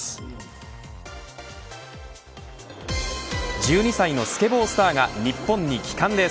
１２歳のスケボースターが日本に帰還です。